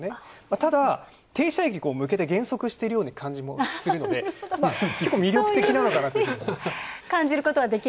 ただ、停車駅に向けて減速しているような感じもするので結構、魅力的なのかなというふうに。